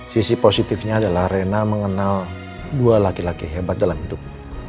sisi positifnya adalah rena mengenal dua laki laki hebat dalam hidup